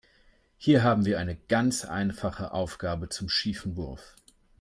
Hier haben wir eine ganz einfache Aufgabe zum schiefen Wurf.